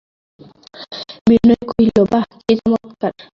বিনয় কহিল, বাঃ, কী চমৎকার!